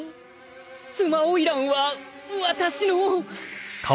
須磨花魁は私の。